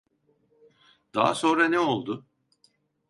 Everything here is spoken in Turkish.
Daha sonra ne oldu?